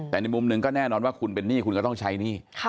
แต่ในมุมหนึ่งก็แน่นอนว่าคุณเป็นหนี้คุณก็ต้องใช้หนี้